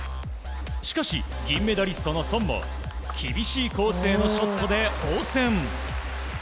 しかし、銀メダリストのソンも厳しいコースへのショットで応戦。